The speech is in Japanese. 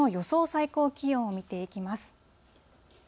最高気温を見ていきます。